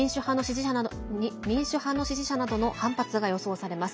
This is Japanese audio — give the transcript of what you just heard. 民主派の支持者などの反発が予想されます。